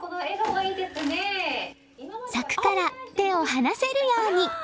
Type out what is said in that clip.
柵から手を離せるように。